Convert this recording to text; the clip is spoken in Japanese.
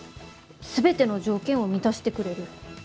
全ての条件を満たしてくれる。